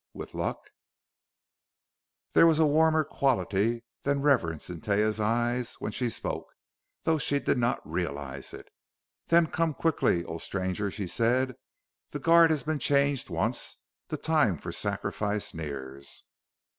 With luck " There was a warmer quality than reverence in Taia's eyes when she spoke though she did not realize it. "Then come quickly, O Stranger!" she said. "The guard has been changed once; the time for sacrifice nears!"